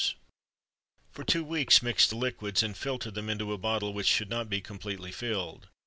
for two weeks, mix the liquids, and filter them into a bottle which should not be completely filled.